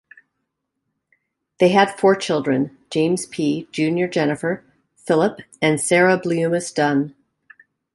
They had four children: James P., Junior Jennifer, Philip, and Sarah Bliumis Dunn.